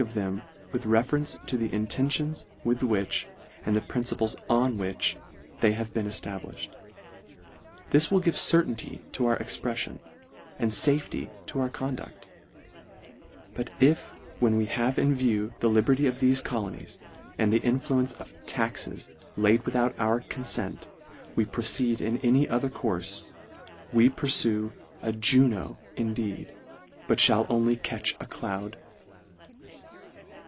of them with reference to the intentions with which, and the principles on which they have been eftabliftied. This will give certainty to our expreflion, and fafety to our condudl : but if when we have in view the liberty of thefe colonies, and the influence of " taxes " laid without our confent, we proceed in any other courfe, we purfue a Juno e indeed, but mall only catch a cloud.